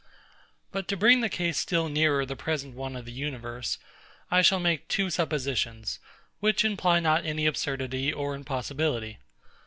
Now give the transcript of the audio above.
But to bring the case still nearer the present one of the universe, I shall make two suppositions, which imply not any absurdity or impossibility.